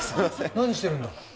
何してるんだ？